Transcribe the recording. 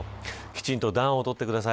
きちんと暖を取ってください。